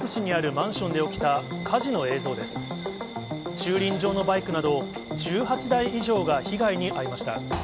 駐輪場のバイクなど、１８台以上が被害に遭いました。